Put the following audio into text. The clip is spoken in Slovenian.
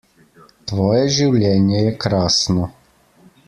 Tvoje življenje je krasno.